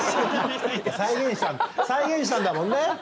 再現したんだもんね「紅白」を。